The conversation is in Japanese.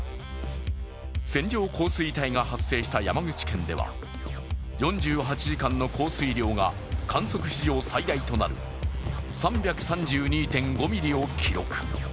線状降水帯が発生した山口県では４８時間の降水量が観測史上最大となる３３２．５ミリを記録。